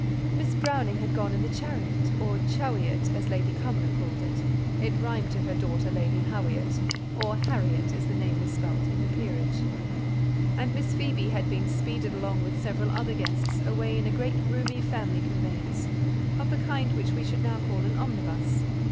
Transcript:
Miss Browning had gone in the chariot (or "chawyot," as Lady Cumnor called it; it rhymed to her daughter, Lady Hawyot or Harriet, as the name was spelt in the Peerage), and Miss Phoebe had been speeded along with several other guests, away in a great roomy family conveyance, of the kind which we should now call an "omnibus."